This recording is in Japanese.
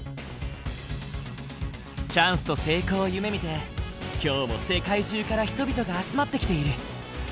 チャンスと成功を夢みて今日も世界中から人々が集まってきている。